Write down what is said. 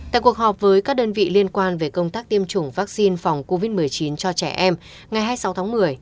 tại cuộc họp với các đơn vị liên quan về công tác tiêm chủng vaccine phòng covid một mươi chín cho trẻ em ngày hai mươi sáu tháng một mươi